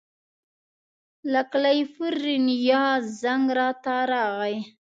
له کلیفورنیا زنګ راغی.